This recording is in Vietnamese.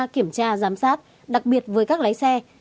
kiểm tra giám sát đặc biệt với các lái xe